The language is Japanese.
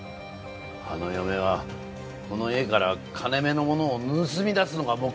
あの嫁はこの家から金目のものを盗み出すのが目的で来てたんだ。